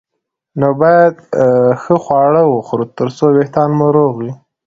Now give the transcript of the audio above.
نو باید ښه خواړه وخورو ترڅو وېښتان مو روغ وي